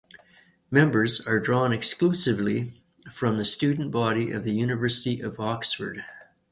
Members are drawn exclusively from the student body of the University of Oxford.